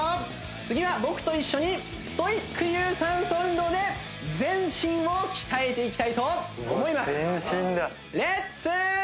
次は僕と一緒にストイック有酸素運動で全身を鍛えていきたいと思いますレッツ！